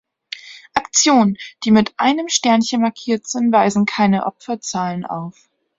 Aktionen, die mit einem Sternchen markiert sind, weisen keine Opferzahlen auf.